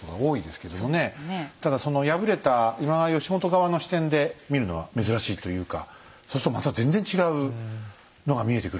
ただその敗れた今川義元側の視点で見るのは珍しいというかそうするとまた全然違うのが見えてくるねえ。